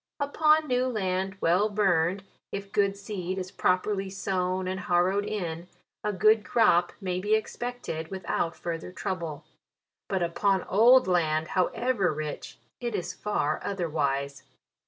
Upon new land, JULY. 155 well burned, if good seed is properly sown and harrowed in, a good crop may be expect ed without further trouble. But upon old land, however rich, it is far otherwise.